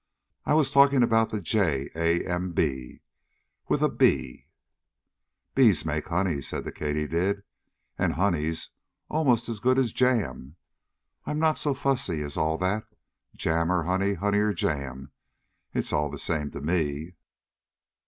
"I was talking about the j a m b with a b " "Bees make honey," said the katydid, "and honey's almost as good as jam. I'm not so fussy as all that. Jam or honey honey or jam, it's all the same to me."